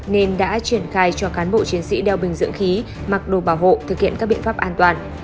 nên đã triển khai cho cán bộ chiến sĩ đeo bình dưỡng khí mặc đồ bảo hộ thực hiện các biện pháp an toàn